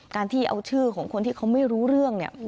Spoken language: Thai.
การที่เอาชื่อของคนที่เขาไม่รู้เรื่องเนี่ย